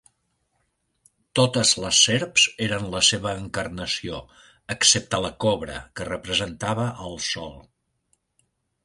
Totes les serps eren la seva encarnació, excepte la cobra, que representava al Sol.